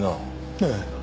ええ。